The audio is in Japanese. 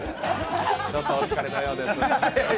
ちょっとお疲れのようです。